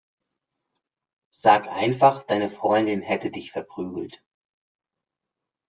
Sag einfach, deine Freundin hätte dich verprügelt.